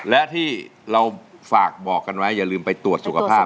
และที่เราฝากบอกกันไว้อย่าลืมไปตรวจสุขภาพ